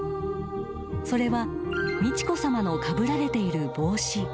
［それは美智子さまのかぶられている］